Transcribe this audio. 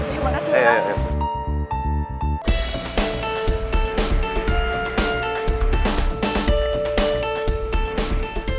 ya makasih nanda